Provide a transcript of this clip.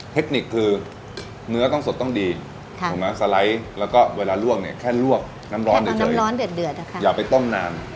เทคนิคคือเนื้อต้องสดต้องดีสไลด์แล้วก็เวลาลวกเนี่ยแค่ลวกน้ำร้อนเดือดอย่าไปต้มนาน